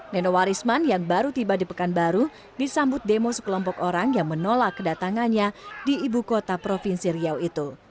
nenowarisman yang baru tiba di pekanbaru disambut demo sekelompok orang yang menolak kedatangannya di ibu kota provinsi riau itu